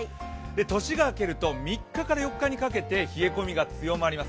年が明けると３日から４日にかけて冷え込みが強まります。